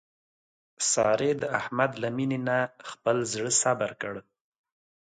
سارې د احمد له مینې نه خپل زړه صبر کړ.